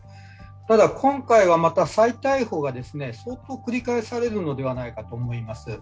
ただ、今回はまた再逮捕が相当繰り返されるのではないかと思います。